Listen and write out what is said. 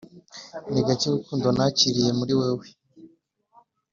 ni gake urukundo nakiriye muri wewe,